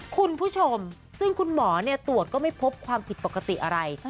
คุณผู้ชมซึ่งคุณหมอตรวจก็ไม่พบความผิดปกติอะไร